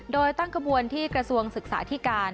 โดยตั้งกระบวนที่กระทรวงศึกษาที่การ